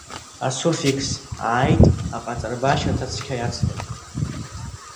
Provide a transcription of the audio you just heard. Асуффикс -ааит аҟаҵарба ашьаҭа цқьа иацлоит…